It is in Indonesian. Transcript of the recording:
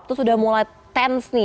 itu sudah mulai tence nih